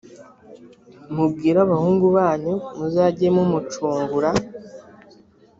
mubwire abahungu banyu muzajye mumucungura